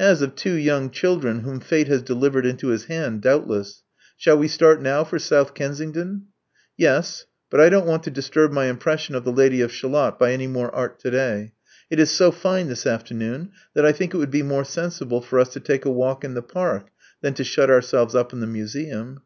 As of two young children whom fate has delivered into his hand, doubtless. Shall we start now for South Kensington?" •*Yes. But I don't want to disturb my impression of the Lady of Shalott by any more art to day. It is so fine this afternoon that I think it would be more sensible for us to take a walk in the Park than to shut ourselves up in the Museum."